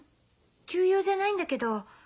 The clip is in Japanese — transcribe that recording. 急用じゃないんだけど。